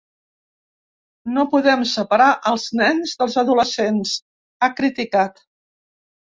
No podem separar els nens dels adolescents, ha criticat.